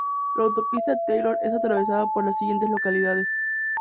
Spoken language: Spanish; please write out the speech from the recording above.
La Autopista Taylor es atravesada por las siguientes localidades.